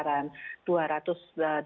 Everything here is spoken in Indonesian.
dan kedua kepada